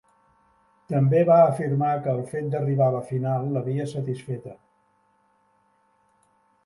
També va afirmar que el fet d'arribar a la final l'havia satisfeta.